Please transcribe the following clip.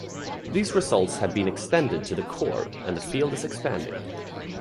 These results have been extended to the core and the field is expanding.